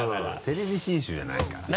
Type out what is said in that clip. テレビ信州じゃないから。